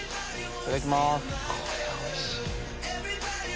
いただきます。